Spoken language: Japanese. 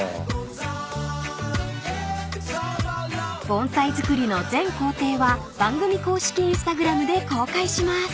［盆栽作りの全工程は番組公式Ｉｎｓｔａｇｒａｍで公開します］